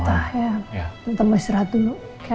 tante mau istirahat dulu